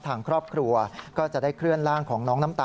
ทางครอบครัวก็จะได้เคลื่อนร่างของน้องน้ำตาล